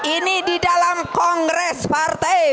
ini di dalam kongres partai